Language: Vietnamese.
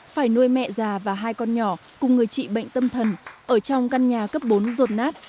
phải nuôi mẹ già và hai con nhỏ cùng người trị bệnh tâm thần ở trong căn nhà cấp bốn rột nát